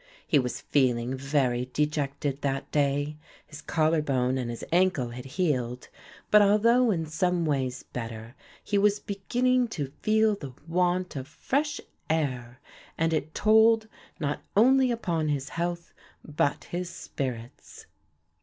He was feeling very dejected that day. His collar bone and his ankle had healed; but although in some ways better, he was beginning to feel the want of fresh air and it told not only upon his health but his spirits.